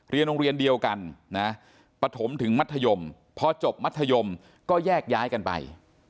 เรียนโรงเรียนเดียวกันนะปฐมถึงมัธยมพอจบมัธยมก็แยกย้ายกันไป